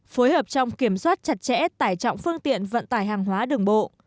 phối hợp trong kiểm soát chặt chẽ tải trọng phương tiện vận tải hàng hóa đường bộ